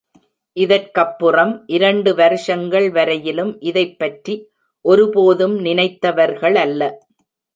இதற்கப்புறம் இரண்டு வருஷங்கள் வரையிலும் இதைப்பற்றி ஒருபோதும் நினைத்தவர்களல்ல.